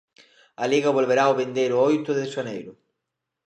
A Liga volverá o vindeiro oito de xaneiro.